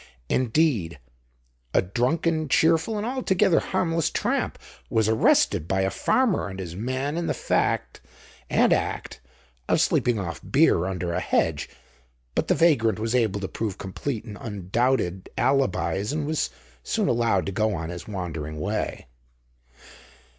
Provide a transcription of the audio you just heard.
Indeed, a drunken, cheerful, and altogether harmless tramp was arrested by a farmer and his man in the fact and act of sleeping off beer under a hedge; but the vagrant was able to prove complete and undoubted alibis, and was soon allowed to go on his wandering way.